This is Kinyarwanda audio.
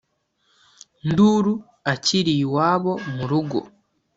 nduru akiri iwabo mu rugo.